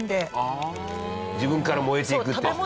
自分から燃えていくって事ですね。